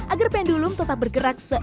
agar pendulum tetap bergerak